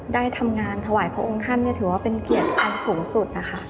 ได้ทำงานถวายพระองค์ท่านถือว่าเป็นเกียรติอันสูงสุดนะคะ